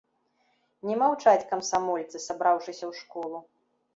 Не маўчаць камсамольцы, сабраўшыся ў школу.